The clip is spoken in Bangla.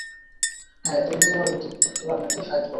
হ্যাঁ, তুমি তোমার লুতুপুতু খেলার মতোই ফাইট করো।